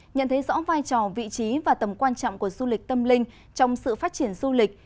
nhận thấy rõ vai trò vị trí và tầm quan trọng của du lịch tâm linh trong sự phát triển du lịch